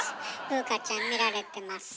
風花ちゃん見られてます。